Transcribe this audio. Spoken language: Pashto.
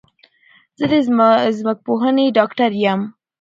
زه د ځمکپوهنې ډاکټر یم